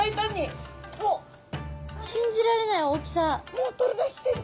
もう取り出してる。